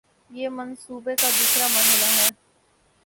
یہ منصوبے کا دوسرا مرحلہ ہے